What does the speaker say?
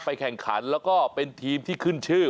แข่งขันแล้วก็เป็นทีมที่ขึ้นชื่อ